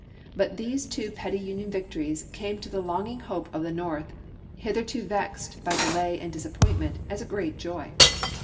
But these two petty Union victories came to the longing hope of the North, hitherto vexed by de lay and disappointment, as a great joy.